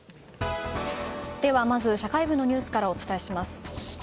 まず社会部のニュースからお伝えします。